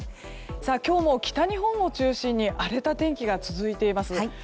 今日も北日本を中心に荒れた天気が続いています。